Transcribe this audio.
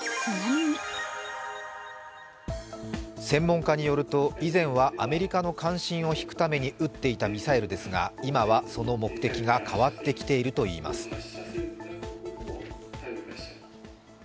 専門家によると以前はアメリカの関心を引くために撃っていたミサイルですが今はその目的が変わってきているといいます。